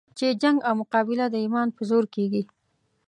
چې جنګ او مقابله د ایمان په زور کېږي.